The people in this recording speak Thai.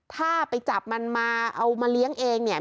ถ้าไปจับมันมาเอามาเลี้ยงเองเนี่ย